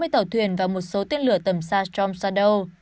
sáu mươi tàu thuyền và một số tiên lửa tầm xa storm shadow